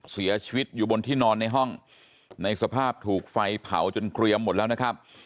เสียชีวิตอยู่บนที่นอนในห้องในสภาพถูกไฟเผาจนเกรียมหมดแล้วนะครับ